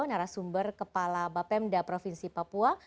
narasumber kepala bapemda provinsi papua